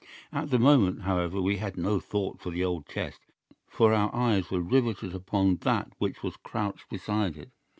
"At the moment, however, we had no thought for the old chest, for our eyes were riveted upon that which crouched beside it.